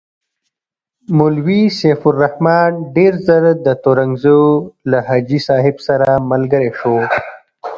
مولوي سیف الرحمن ډېر ژر د ترنګزیو له حاجي صاحب سره ملګری شو.